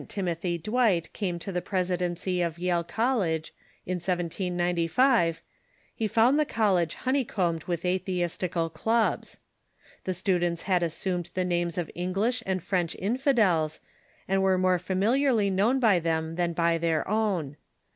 When the Rev. Timothy D wight came to the presidency of Yale Col lege, in 1V95, he found the college honeycombed with atheis tical clubs. The students had assumed the names of English and French infidels, and were more familiarly known by them than by their own.